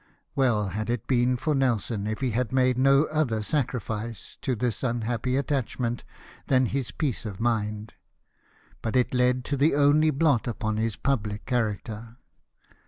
Well had it been for Nelson if he had made no other sacrifices to this unhappy attachment than his peace of mind ; but it led to the only blot upon his public character.